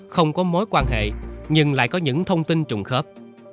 không có mối quan hệ nhưng lại có những thông tin trùng khớp